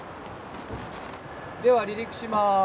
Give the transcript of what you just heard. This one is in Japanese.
では離陸します。